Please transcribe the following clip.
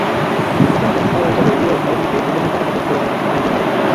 প্রথম টেনিস খেলোয়াড় হিসেবে রিও অলিম্পিকে ব্রিটেনের পতাকা বহন করেছেন অ্যান্ডি মারে।